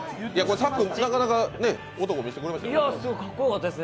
さっくん、なかなか男見せてくれましたよね。